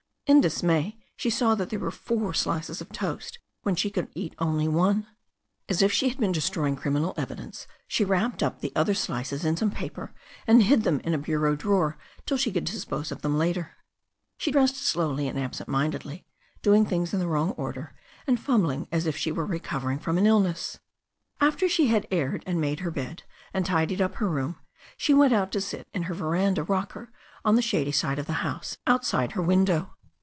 In dismay she saw that there were four slices of toast when she could •eat only one. As if she had been destroying criminal evi dence she wrapped up the other slices in sota^ ^^.^^x "^tA 346 THE STORY OF A NEW ZEALAND RIVER hid them in a bureau drawer till she could dispose of them later. She dressed slowly and absent mindedly, doing things in the wrong order, and fumbling as if she were recovering from an illness. After she had aired and made her bed and tidied up her room, she went out to sit in her veranda rocker on the shady side of the house, outside her window.